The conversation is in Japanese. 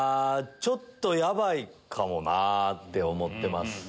ちょっとヤバいかもなぁって思ってます。